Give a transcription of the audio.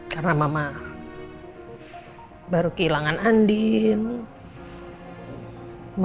jangan sampai kehilangan dia